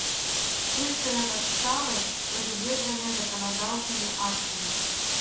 iншыя падставы, прадугледжаныя заканадаўчымi актамi.